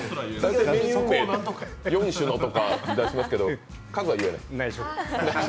４種のとかありますけど数は言えない？